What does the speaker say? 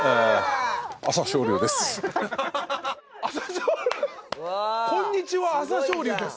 朝青龍です」